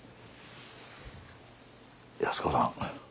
安子さん。